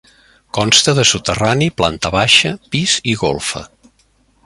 Consta de soterrani, planta baixa, pis i golfa.